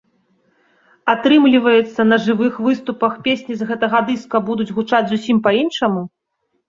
Атрымліваецца, на жывых выступах песні з гэтага дыска будуць гучаць зусім па-іншаму!?